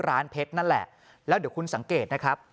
ร้านเพชรนั่นแหละแล้วเดี๋ยวคุณสังเกตนะครับ